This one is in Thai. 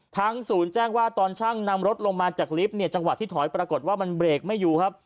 ศูนย์แจ้งว่าตอนช่างนำรถลงมาจากลิฟต์เนี่ยจังหวะที่ถอยปรากฏว่ามันเบรกไม่อยู่ครับ